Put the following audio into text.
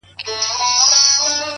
د ملا عقل له